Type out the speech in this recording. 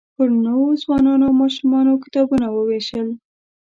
پر نوو ځوانانو او ماشومانو کتابونه ووېشل.